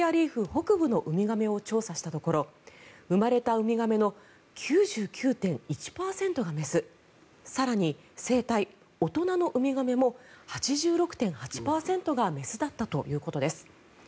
北部のウミガメを調査したところ生まれたウミガメの９９．１％が雌更に、成体、大人のウミガメも８６．８％が雌だったということです。